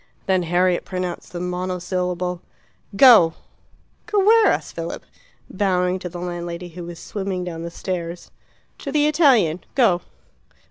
Then Harriet pronounced the monosyllable "Go!" "Go where?" asked Philip, bowing to the landlady, who was swimming down the stairs. "To the Italian. Go."